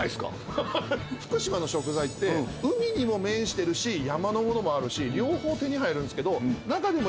福島の食材って海にも面してるし山のものもあるし両方手に入るんすけど中でも。